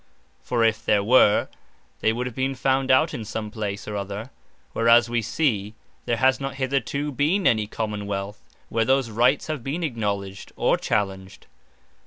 For if there were, they would have been found out in some place, or other; whereas we see, there has not hitherto been any Common wealth, where those Rights have been acknowledged, or challenged.